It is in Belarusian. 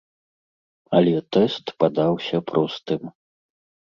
Але тэст падаўся простым.